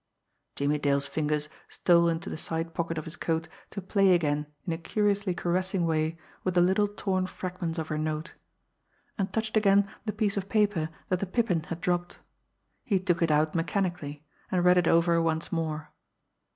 Jimmie Dale's fingers stole into the side pocket of his coat to play again in a curiously caressing way with the little torn fragments of her note and touched again the piece of paper that the Pippin had dropped. He took it out mechanically, and read it over once more.